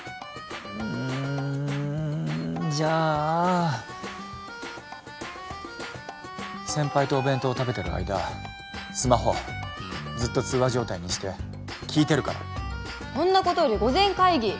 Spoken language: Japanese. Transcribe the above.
うんじゃあ先輩とお弁当食べてる間スマホずっと通話状態にして聞いてるからそんなことより御前会議！